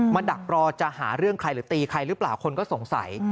ดักรอจะหาเรื่องใครหรือตีใครหรือเปล่าคนก็สงสัย